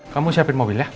kamu siapin mobil ya